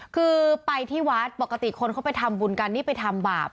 คือไปที่วัดปกติคนเขาไปทำบุญกันนี่ไปทำบาป